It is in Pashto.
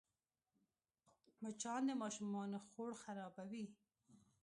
مچان د ماشومانو خوړ خرابوي